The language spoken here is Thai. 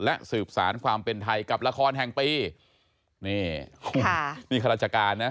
และสืบสารความเป็นไทยกับละครแห่งปีนี่ค่ะนี่ข้าราชการนะ